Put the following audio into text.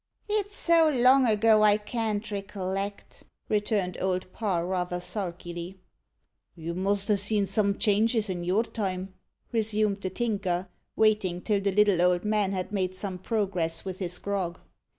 "It's so long ago, I can't recollect," returned Old Parr rather sulkily. "You must ha' seen some changes in your time?" resumed the Tinker, waiting till the little old man had made some progress with his grog.